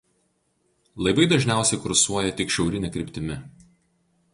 Laivai dažniausiai kursuoja tik šiaurine kryptimi.